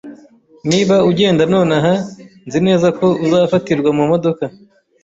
Niba ugenda nonaha, nzi neza ko uzafatirwa mumodoka